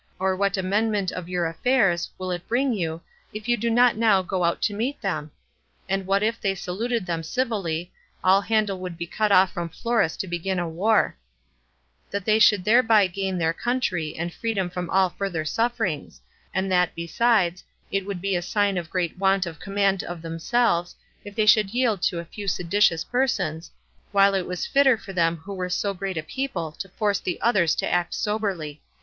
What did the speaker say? or what amendment of your affairs will it bring you, if you do not now go out to meet them? and that if they saluted them civilly, all handle would be cut off from Florus to begin a war; that they should thereby gain their country, and freedom from all further sufferings; and that, besides, it would be a sign of great want of command of themselves, if they should yield to a few seditious persons, while it was fitter for them who were so great a people to force the others to act soberly."